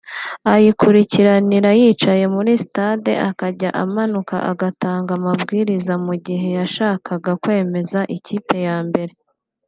ayikurikirana yicaye muri stade akajya amanuka gutanga ambwiriza mu gihe yashakaga kwemeza ikipe ya mbere